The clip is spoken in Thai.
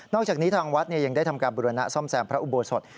นอกจากนี้ทางวัดเนี่ยยังได้ทำการบริวารณะซ่อมแสงพระอุบวชสด